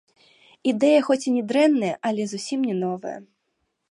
Ідэя хоць і не дрэнная, але зусім не новая.